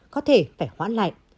có thể phải hoãn lại